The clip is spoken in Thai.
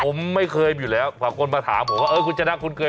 ผมไม่เคยอยู่แล้วฝากคนมาถามพี่บริษัทเออคุณชนักคุณเกิน